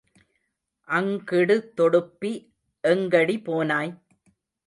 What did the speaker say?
அங்கிடு தொடுப்பி எங்கடி போனாய்?